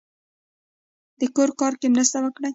د کور کار کې مرسته وکړئ